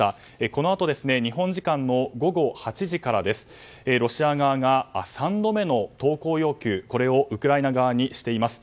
このあと日本時間の午後８時からロシア側が３度目の投降要求をウクライナ側にしています。